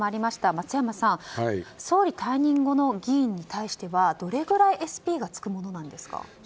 松山さん総理退任後の議員に対してはどれぐらいＳＰがつくものなんですか？